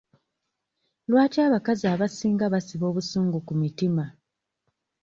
Lwaki abakazi abasinga basiba obusungu ku mitima?